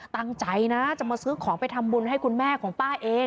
ตั้งใจนะจะมาซื้อของไปทำบุญให้คุณแม่ของป้าเอง